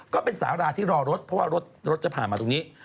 ก็เป็นสาราที่รอรถเพราะว่ารถจะผ่านมาตรงนี้